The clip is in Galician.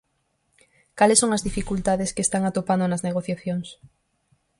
Cales son as dificultades que están atopando nas negociacións?